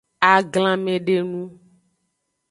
Aglanmedenu.